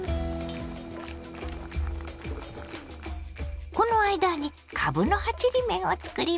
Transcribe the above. この間にかぶの葉ちりめんをつくりましょ。